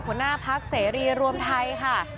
หัวหน้าพักเสรีรวมไทยค่ะ